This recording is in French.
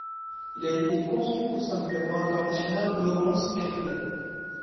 Il a été conçu au sein du Laboratoire national Lawrence-Berkeley.